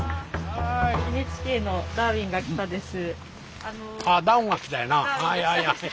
ＮＨＫの「ダーウィンが来た！」です。